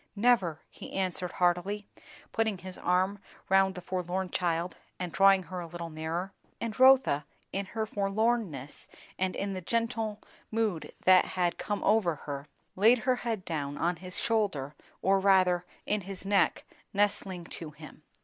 "Never!" he answered heartily, putting his arm round the forlorn child and drawing her a little nearer. And Rotha, in her forlornness and in the gentle mood that had come over her, laid her head down on his shoulder, or rather in his neck, nestling to him.